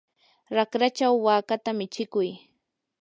raqrachaw wakata michikuy.